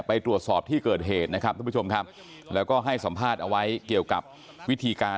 ไปตรวจสอบที่เกิดเหตุนะครับทุกผู้ชมครับแล้วก็ให้สัมภาษณ์เอาไว้เกี่ยวกับวิธีการ